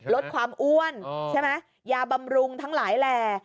ลดความอ้วนยาบำรุงทั้งหลายแล